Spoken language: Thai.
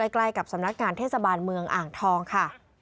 ใกล้กับสำนักงานเทศบาลเมืองอ่างทองค่ะ